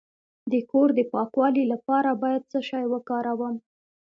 د کور د پاکوالي لپاره باید څه شی وکاروم؟